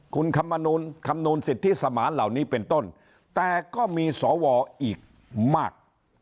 คุณคำหนูลคำรูชศริษฐศมาลเหล่านี้เป็นต้นแต่ก็มีสอบออกอีกมาก